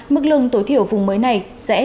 mức lương tối thiểu vùng mới này sẽ